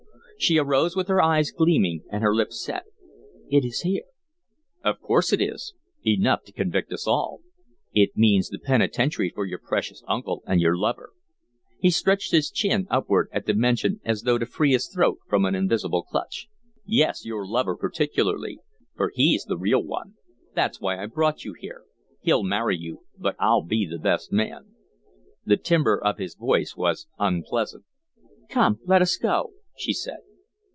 She arose with her eyes gleaming and her lips set. "It is here." "Of course it is. Enough to convict us all. It means the penitentiary for your precious uncle and your lover." He stretched his chin upward at the mention as though to free his throat from an invisible clutch. "Yes, your lover particularly, for he's the real one. That's why I brought you here. He'll marry you, but I'll be the best man." The timbre of his voice was unpleasant. "Come, let us go," she said.